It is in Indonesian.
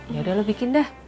yaudah lo bikin dah